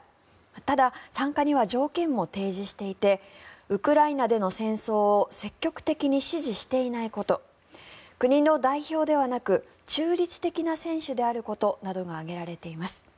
ただ参加には条件も提示していてウクライナでの戦争を積極的に支持していないこと国の代表ではなく中立的な選手であることなどが挙げられています。